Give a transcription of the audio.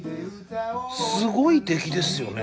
すごい出来ですよね